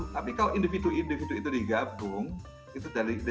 tapi kalau individu individu itu digabung itu dari semacam sebenarnya bukan korporatisasi saja